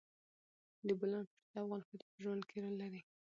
د بولان پټي د افغان ښځو په ژوند کې رول لري.